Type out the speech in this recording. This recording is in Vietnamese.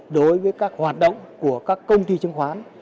đối với các hoạt động của các công ty chứng khoán